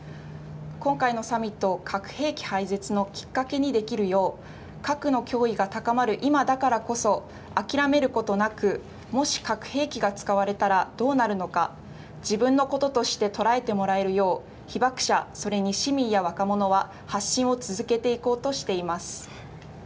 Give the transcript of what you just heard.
今回のサミットを核兵器廃絶のきっかけにできるよう、核の脅威が高まる今だからこそ、諦めることなく、もし核兵器が使われたらどうなるのか、自分のこととして捉えてもらえるよう、被爆者それに市民や若者が発信を続けていこうとしています。